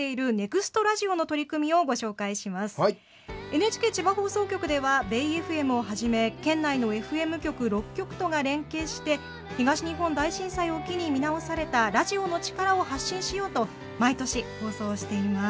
ＮＨＫ千葉放送局ではベイエフエムをはじめ県内のＦＭ局６局とが連携して東日本大震災を機に見直されたラジオの力を発信しようと毎年放送しています。